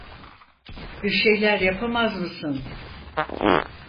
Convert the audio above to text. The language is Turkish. Bir şeyler yapamaz mısın?